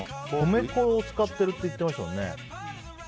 米粉を使ってるって言ってましたもんね。